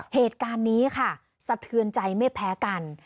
เหตุการณ์นี้ค่ะสะเทือนใจไม่แพ้กัน